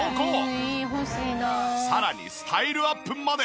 さらにスタイルアップまで。